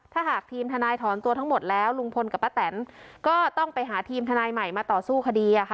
ถ้าหากทีมทนายถอนตัวทั้งหมดแล้วลุงพลกับป้าแตนก็ต้องไปหาทีมทนายใหม่มาต่อสู้คดี